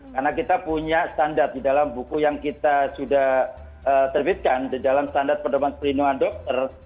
karena kita punya standar di dalam buku yang kita sudah terbitkan di dalam standar pendapat perlindungan dokter